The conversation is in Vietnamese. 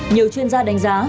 nhiều chuyên gia đánh giá